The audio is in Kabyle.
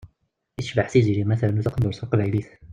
I tecbeḥ Tiziri ma ternu taqendurt taqbaylit.